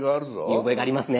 見覚えがありますね。